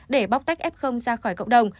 để bóc tách f ra khỏi cộng đồng